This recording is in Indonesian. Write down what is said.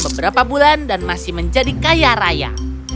beberapa bulan dan masih menjadi kaya raya